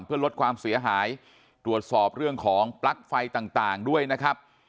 เพื่อลดความเสียหายตรวจสอบเรื่องของปลั๊กไฟต่างด้วยนะครับ